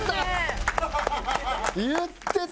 言ってた！